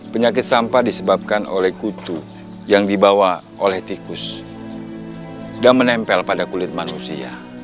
penyakit sampah disebabkan oleh kutu yang dibawa oleh tikus dan menempel pada kulit manusia